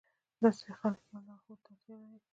داسې خلک يوه لارښود ته اړتيا لري.